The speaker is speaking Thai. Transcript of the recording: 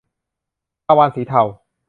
ปลาวาฬสีเทา